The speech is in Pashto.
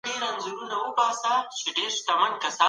د حکومت تېروتني څنګه رابرسېره کیږي؟